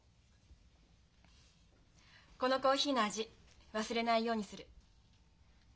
このコーヒーの味忘れないようにする。